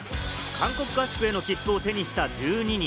韓国合宿への切符を手にした１２人。